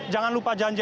jangan lupa janji